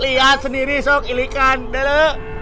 lihat sendiri sok ilikan dulu